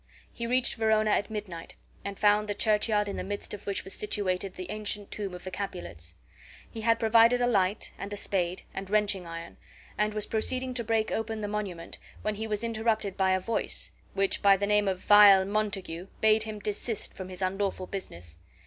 He reached Verona at midnight, and found the churchyard in the midst of which was situated the ancient tomb of the Capulets. He had provided a light, and a spade, and wrenching iron, and was proceeding to break open the monument when he was interrupted by a voice, which by the name of VILE MONTAGUE bade him desist from his unlawful business.